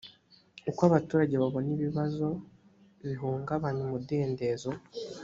uko abaturage babona ibibazo bihungabanya umudendezo